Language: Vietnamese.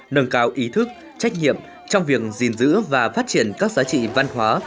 nâng cao ý thức trách nhiệm trong việc gìn giữ và phát triển các giá trị văn hóa